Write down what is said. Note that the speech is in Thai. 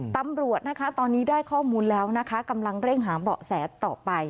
ตำรวจนะคะตอนนี้ได้ข้อมูลแล้วนะคะกำลังเร่งหาเบาะแสต่อไป